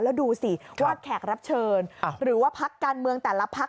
แล้วดูสิว่าแขกรับเชิญหรือว่าพักการเมืองแต่ละพัก